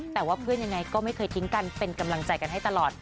แต่ว่าเพื่อนยังไงก็ไม่เคยทิ้งกันเป็นกำลังใจกันให้ตลอด